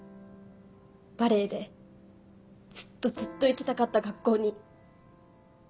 バレーでずっとずっと行きたかった学校に。